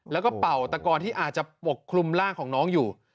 แล้วก็เป่าตะกอนที่อาจจะปกคลุมร่างของน้องอยู่